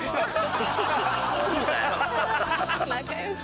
仲良し！